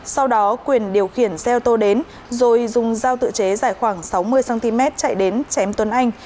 sau đó quyền điều khiển xe ô tô đến rồi dùng dao tự chế dài khoảng sáu mươi cm chạy đến chém tuấn anh